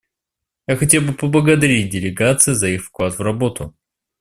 Я хотел бы поблагодарить делегации за их вклад в работу.